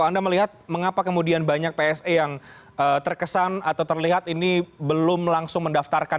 anda melihat mengapa kemudian banyak pse yang terkesan atau terlihat ini belum langsung mendaftarkan